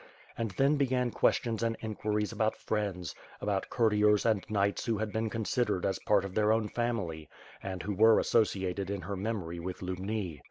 And then began questions and inquiries about friends, about courtiers and knigiits who had been con sidered as part of their own family, and who were associated in her memory with Lubni.